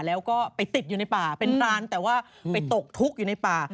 แล้วก็ไปติดอยู่ในป่าเป็นร้านแต่ว่าไปตกทุกข์อยู่ในป่า